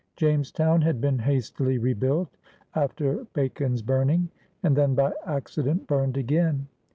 Jamestown had been hastily rebuilt, after Ba con's burning, and then by accident burned again.